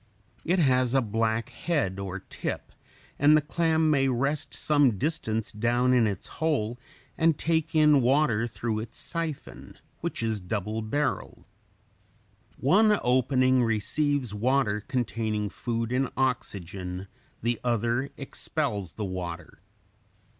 It has a black head or tip and the clam may rest some distance down in its hole and take in water through its siphon, which is double barreled. One opening (in.) receives water containing food and oxygen; the other (ex.) expels the water.